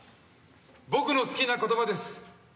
僕の好きな言葉です。